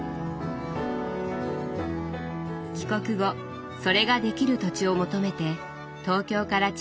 帰国後それができる土地を求めて東京から千葉に移住しました。